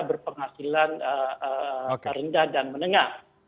berpenghasilan rendah dan menengah